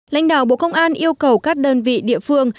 lãnh đạo bộ công an yêu cầu các đơn vị địa phương